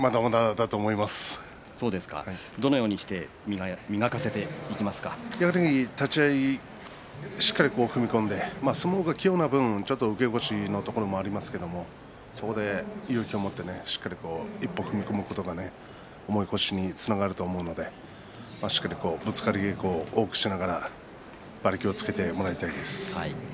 どのようにしてやはり立ち合いしっかり踏み込んで相撲、器用な分ちょっと受け腰のところもありますけれどもそこで勇気を持って、しっかり一歩踏み込むところが重い腰につながると思うのでしっかりぶつかり稽古を多くしながら馬力をつけてもらいたいです。